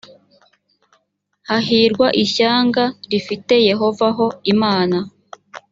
hahirwa ishyanga rifite yehova ho imana